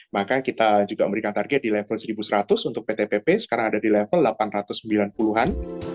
maka kita juga memberikan target di level satu seratus untuk pt pp sekarang ada di level delapan ratus sembilan puluh an